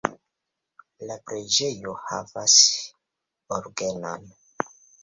La preĝejo havas orgenon.